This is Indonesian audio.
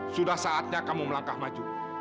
sudah saatnya kamu melangkah maju